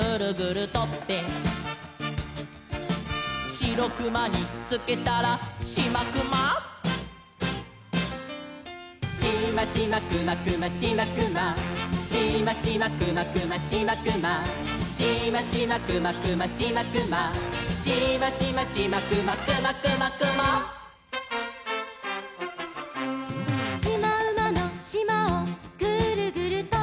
「シロクマにつけたらシマクマ」「シマシマクマクマシマクマ」「シマシマクマクマシマクマ」「シマシマクマクマシマクマ」「シマシマシマクマクマクマクマ」「しまうまのしまをグルグルとって」